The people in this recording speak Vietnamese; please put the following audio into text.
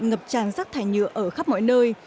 ngập tràn rác thải nhựa ở khắp mọi nơi